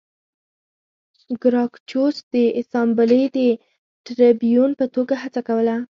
ګراکچوس د اسامبلې د ټربیون په توګه هڅه کوله